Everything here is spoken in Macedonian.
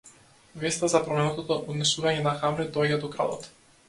Веста за променетото однесување на Хамлет доаѓа до кралот.